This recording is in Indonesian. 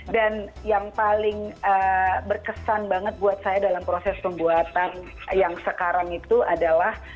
dan yang paling berkesan banget buat saya dalam proses pembuatan yang sekarang itu adalah